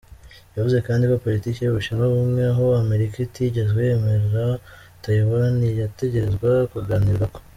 Yavuze kandi ko politike y'Ubushinwa bumwe, aho Amerika itigeze yemera Taiwan, yategerezwa kuganirwako.